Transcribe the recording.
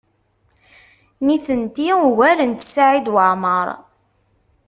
Nitenti ugarent Saɛid Waɛmaṛ.